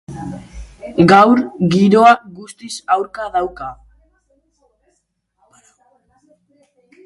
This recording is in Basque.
Gaur, giroa guztiz aurka dauka.